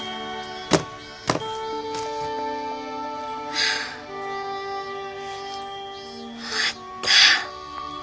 はあ終わった。